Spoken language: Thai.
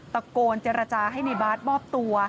ตะโกนเจรจาให้ในบาสมอบตัว